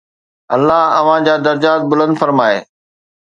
الله اوهان جا درجات بلند فرمائي.